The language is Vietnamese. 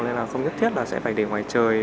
nên là không nhất thiết là sẽ phải để ngoài trời